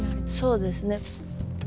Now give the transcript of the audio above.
そうですね。